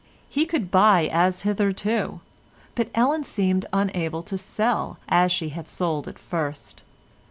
He could buy as hitherto, but Ellen seemed unable to sell as she had sold at first.